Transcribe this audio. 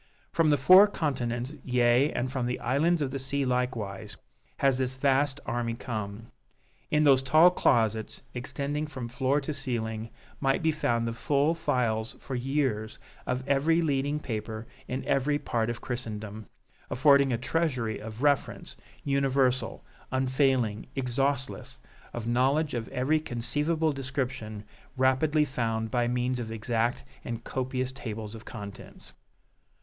From the four continents, yea, and from the islands of the sea likewise, has this vast army come. In those tall closets extending from floor to ceiling might be found the full files for years of every leading paper in every part of Christendom, affording a treasury of reference, universal, unfailing, exhaustless, of knowledge of every conceivable description, rapidly found by means of exact and copious tables of contents.